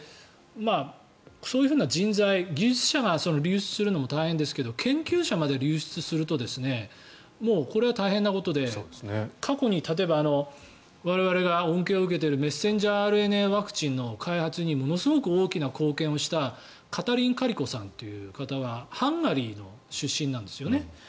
そういうふうな人材技術者が流出するのも大変ですけど研究者まで流出するとこれは大変なことで過去に例えば我々が恩恵を受けているメッセンジャーＲＮＡワクチンの開発にものすごく大きな貢献をしたカタリン・カリコさんという方はハンガリーの出身なんですよね。